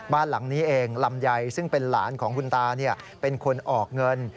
บ้านหลังนี้เองลำไยซึ่งเป็นหลานของคุณตาเป็นคนออกเงิน